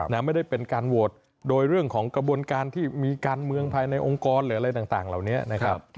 ไม่ได้เป็นการโหวตโดยเรื่องของกระบวนการที่มีการเมืองภายในองค์กรหรืออะไรต่างเหล่านี้นะครับ